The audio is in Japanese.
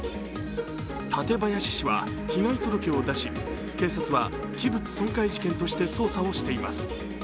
館林市は被害届を出し、警察は器物損壊事件として捜査しています。